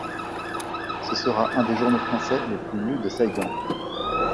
Ce sera un des journaux français les plus lus de Saïgon.